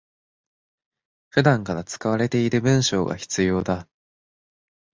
普段から使われている文章が必要だ